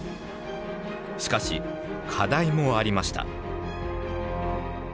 しかし課題もありました。